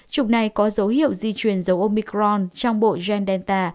trục này có dấu hiệu di truyền dấu omicron trong bộ gen delta